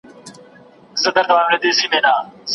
ته باید د خپلي پوهي په زیاتولو کي بېړه وکړې.